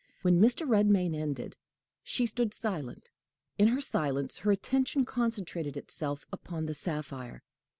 When Mr. Redmain ended, she stood silent. In her silence, her attention concentrated itself upon the sapphire.